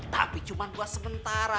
tapi cuma buat sementara